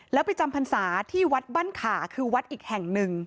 แล้วไปจำพรรษาที่วัดบ้านขาคือวัดอีกแห่งหนึ่ง